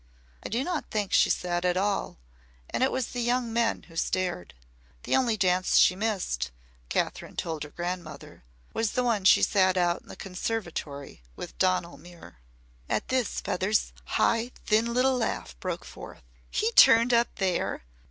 I do not think she sat at all, and it was the young men who stared. The only dance she missed Kathryn told her grandmother was the one she sat out in the conservatory with Donal Muir." At this Feather's high, thin little laugh broke forth. "He turned up there?